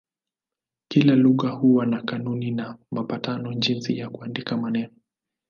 Kila lugha huwa na kanuni na mapatano jinsi ya kuandika maneno.